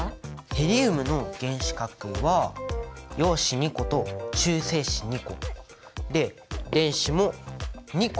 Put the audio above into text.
ヘリウムの原子核は陽子２個と中性子２個。で電子も２個回ってる。